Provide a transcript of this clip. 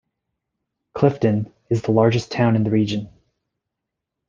Clifden is the largest town in the region.